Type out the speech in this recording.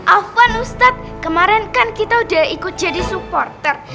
alvan ustaz kemarin kan kita udah ikut jadi supporter